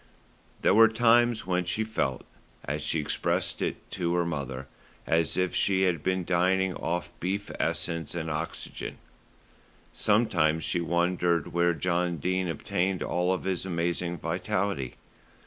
There were times when she felt, as she expressed it to her mother, as if she had been dining off beef essence and oxygen. Sometimes she wondered where John Dene obtained all his amazing vitality.